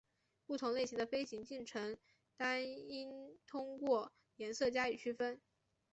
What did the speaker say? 不同类型的飞行进程单应通过颜色加以区别。